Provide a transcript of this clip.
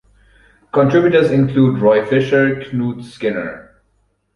Contributors included Roy Fisher, Knute Skinner.